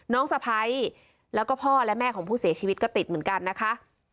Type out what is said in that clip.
สะพ้ายแล้วก็พ่อและแม่ของผู้เสียชีวิตก็ติดเหมือนกันนะคะ